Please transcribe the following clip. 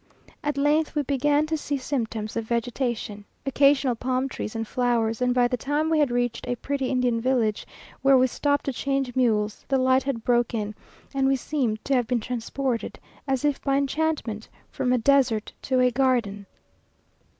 At length we began to see symptoms of vegetation; occasional palm trees and flowers, and by the time we had reached a pretty Indian village, where we stopped to change mules, the light had broke in, and we seemed to have been transported, as if by enchantment, from a desert to a garden.